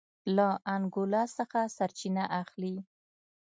له انګولا څخه سرچینه اخلي.